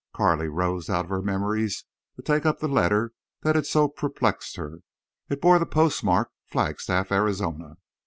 Carley roused out of her memories to take up the letter that had so perplexed her. It bore the postmark, Flagstaff, Arizona.